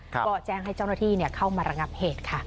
ก็แจ้งให้เจ้าหน้าที่เข้ามาระงับเหตุค่ะ